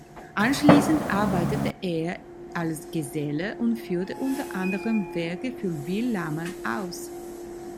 Anschließend arbeitete er als Geselle und führte unter anderem Werke für Will Lammert aus.